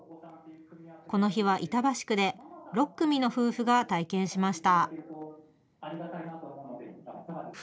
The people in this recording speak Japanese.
この日は板橋区で、６組の夫婦が体験しました。